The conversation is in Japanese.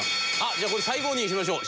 じゃあこれ最後にしましょう。